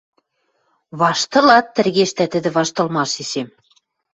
— Ваштылат?! — тӹргештӓ тӹдӹ ваштылмашешем.